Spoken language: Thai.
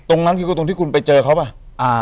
ตรงนั้นคือตรงที่คุณไปเจอเขาป่ะ